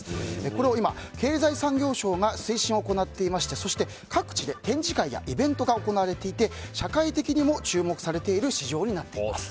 これを今、経済産業省が推進を行っていましてそして各地で展示会やイベントが行われていて社会的にも注目されている市場になっています。